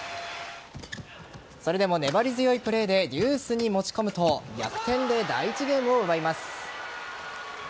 それでも粘り強いプレーでデュースに持ち込むと逆転で第１ゲームを奪います。